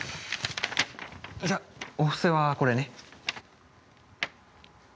じゃお布施はこれね。